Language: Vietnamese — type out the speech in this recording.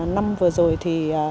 năm vừa rồi thì